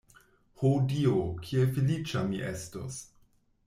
Ho Dio, kiel feliĉa mi estus!